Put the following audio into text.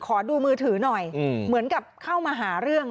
ขอดูมือถือหน่อยเหมือนกับเข้ามาหาเรื่อง